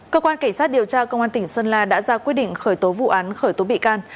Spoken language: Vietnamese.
cơ quan cảnh sát điều tra công an tỉnh sơn la đã ra quyết định khởi tố vụ án khởi tố bị can